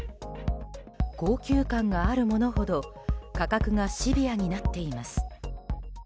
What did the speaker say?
高級感があるものほど価格がシビアになっています。